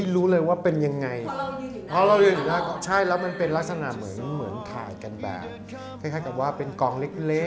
ตกถ่ายกันแบบเหมือนกับกองเล็ก